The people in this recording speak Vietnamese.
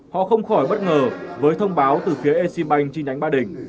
họ không khỏi bất ngờ với thông báo từ phía exim bank chi nhánh ba đình